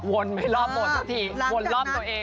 วนไม่รอบบทสักทีวนรอบตัวเอง